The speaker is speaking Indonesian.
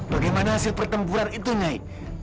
bagaimana hasil pertempuran itu naik